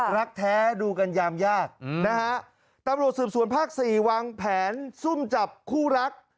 รักแท้ดูกันยามยากนะฮะตำรวจสืบสวนภาคสี่วางแผนซุ่มจับคู่รัก